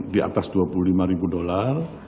di atas dua puluh lima ribu dolar